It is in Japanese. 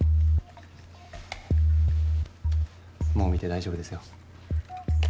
もう見て大丈夫ですよ。